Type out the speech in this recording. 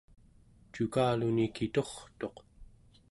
cukaluni kiturtuq